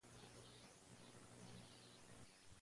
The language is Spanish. en general a todos los deportes